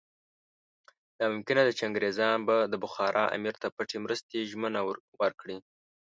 دا ممکنه ده چې انګریزان به د بخارا امیر ته پټې مرستې ژمنه ورکړي.